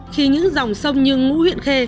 khi những dòng sông như ngũ huyện khê